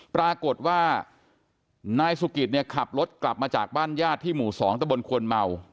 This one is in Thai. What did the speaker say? ปรากฏว่านายสุกิตขับรถกลับมาจากบ้านยาดที่หมู่สองตบนควรเม่า